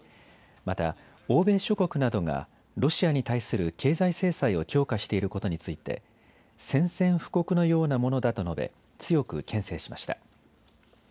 また欧米諸国などがロシアに対する経済制裁を強化していることについて宣戦布告のようなものだと述べ強くけん制しました。